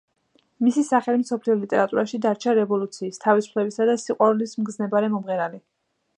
მისი სახელი მსოფლიო ლიტერატურაში დარჩა რევოლუციის, თავისუფლებისა და სიყვარულის მგზნებარე მომღერალი.